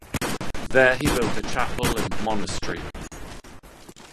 There he built a chapel and monastery.